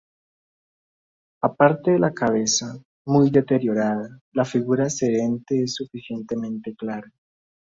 Aparte de la cabeza, muy deteriorada, la figura sedente es suficientemente clara.